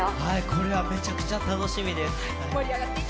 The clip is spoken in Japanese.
これはめちゃくちゃ楽しみです。